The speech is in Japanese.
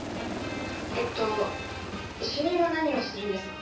えっと主任は何をするんですか？